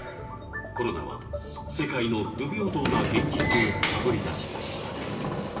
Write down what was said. コロナは世界の不平等な現実をあぶり出しました。